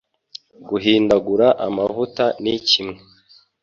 Guhindagura amavuta ni kimwe